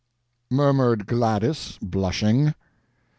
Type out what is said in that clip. "... murmured Gladys, blushing."